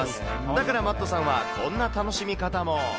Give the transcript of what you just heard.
だから、マットさんはこんな楽しみ方も。